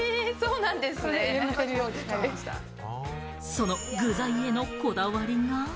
その具材へのこだわりが。